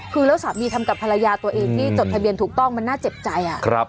คือแล้วสามีทำกับภรรยาตัวเองที่จดทะเบียนถูกต้องมันน่าเจ็บใจ